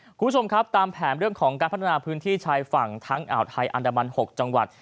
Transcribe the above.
คุณผู้ชมครับตามแผนเรื่องของการพัฒนาพื้นที่ชายฝั่งทั้งอ่าวไทยอันดามัน๖จังหวัด